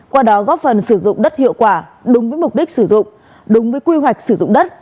qua đó góp phần sử dụng đất hiệu quả đúng với mục đích sử dụng đúng với quy hoạch sử dụng đất